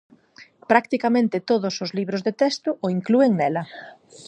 Practicamente todos os libros de texto o inclúen nela.